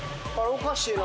おかしいな。